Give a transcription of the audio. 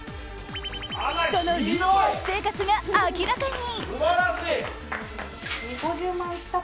そのリッチな私生活が明らかに！